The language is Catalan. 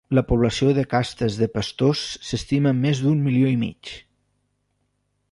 La població de castes de pastors s'estima en més d'un milió i mig.